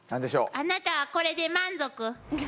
あなたはこれで満足？